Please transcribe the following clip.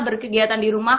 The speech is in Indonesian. berkegiatan di rumah